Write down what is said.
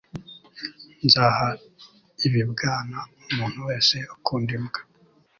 Nzaha ibibwana umuntu wese ukunda imbwa.